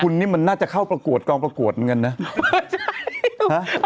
คุณนี่มันน่าจะเข้าประกวดกองประกวดเหมือนกันนะ